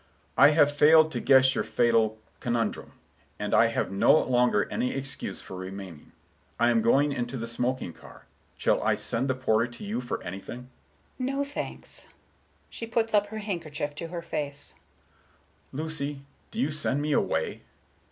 "I have failed to guess your fatal—conundrum; and I have no longer any excuse for remaining. I am going into the smoking car. Shall I send the porter to you for anything?" Miss Galbraith: "No, thanks." She puts up her handkerchief to her face. Mr. Richards: "Lucy, do you send me away?"